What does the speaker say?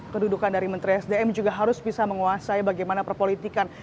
kedudukan dari menteri sdm juga harus bisa menguasai bagaimana perpolitikan